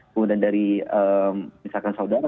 kemudian dari misalkan saudara